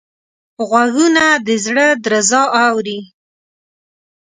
غوږونه د زړه درزا اوري